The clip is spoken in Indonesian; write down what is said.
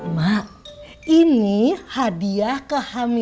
mak ini hadiah kehati hati